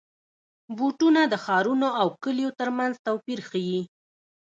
بوټونه د ښارونو او کلیو ترمنځ توپیر ښيي.